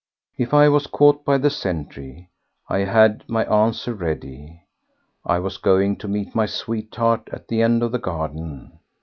If I was caught by the sentry I had my answer ready: I was going to meet my sweetheart at the end of the garden.